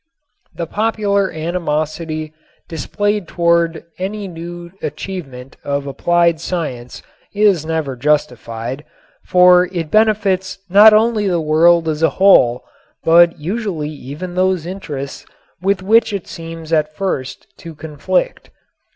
The popular animosity displayed toward any new achievement of applied science is never justified, for it benefits not only the world as a whole but usually even those interests with which it seems at first to conflict.